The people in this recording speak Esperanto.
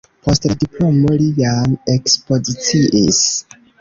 Post la diplomo li jam ekspoziciis.